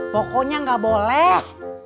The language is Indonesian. pokoknya gak boleh